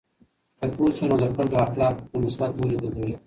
که پوه شو، نو د خلکو اخلاق له مثبت لوري بدلوو.